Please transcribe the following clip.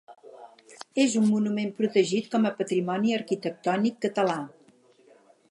És un monument protegit com a Patrimoni Arquitectònic Català.